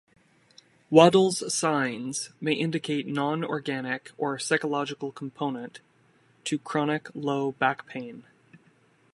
Waddell's signs may indicate non-organic or psychological component to chronic low back pain.